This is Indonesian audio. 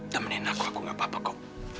temenin aku gak apa apa kok